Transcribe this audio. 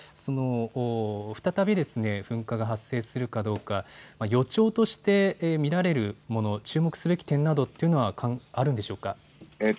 再び噴火が発生するかどうか、予兆として見られるもの、注目すべき点などはあるんでしょうか。